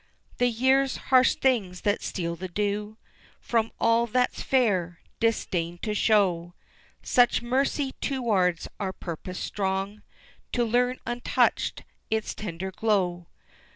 The years harsh things that steal the dew From all that's fair disdained to show Such mercy towards our purpose strong, To learn untouched its tender glow.